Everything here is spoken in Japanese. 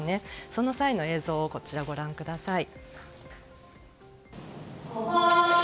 その際の映像をご覧ください。